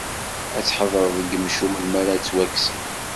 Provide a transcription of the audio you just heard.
Ad tḥedreḍ i yimcumen mi ara ttwakksen.